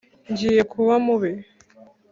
ngiye kuba mubi